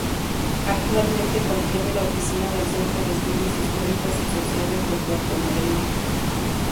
Actualmente contiene la oficina del Centro de Estudios Históricos y Sociales de Puerto Madryn.